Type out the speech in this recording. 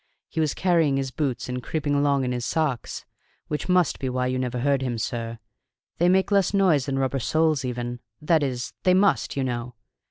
He was carrying his boots and creeping along in his socks which must be why you never heard him, sir. They make less noise than rubber soles even that is, they must, you know!